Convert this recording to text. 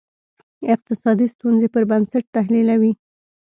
اقتصادي ستونزې پر بنسټ تحلیلوي.